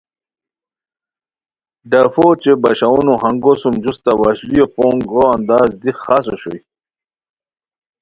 ڈفو اوچے باشونو ہنگو سُم جوستہ وشلیو پونگو انداز دی خاص اوشوئے